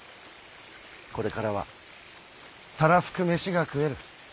これからはたらふく飯が食える。